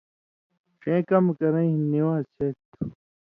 ݜیں کمہۡ کرَیں ہِن نِوان٘ز شریۡ تھُو